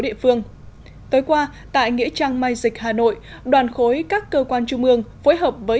địa phương tối qua tại nghĩa trang mai dịch hà nội đoàn khối các cơ quan trung ương phối hợp với